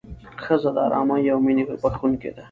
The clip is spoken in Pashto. ښځه د ارامۍ او مینې بښونکې ده.